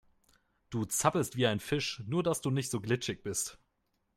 Du zappelst wie ein Fisch, nur dass du nicht so glitschig bist.